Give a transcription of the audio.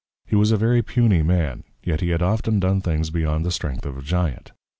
He was a very Puny Man, yet he had often done things beyond the strength of a Giant.